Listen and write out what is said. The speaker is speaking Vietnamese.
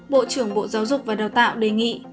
bộ trưởng bộ giáo dục và đào tạo đề nghị